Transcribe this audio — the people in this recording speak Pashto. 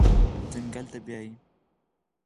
ځنګل ته بیایي